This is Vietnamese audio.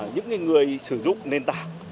những người sử dụng nền tảng